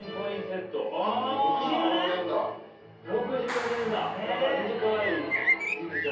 ６４年だ。